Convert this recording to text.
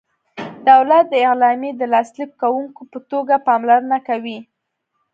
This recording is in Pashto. دولت د اعلامیې د لاسلیک کوونکي په توګه پاملرنه کوي.